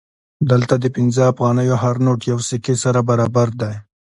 دلته د پنځه افغانیو هر نوټ یوې سکې سره برابر دی